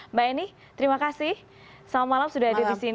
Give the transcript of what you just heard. mbak eni terima kasih selamat malam sudah ada di sini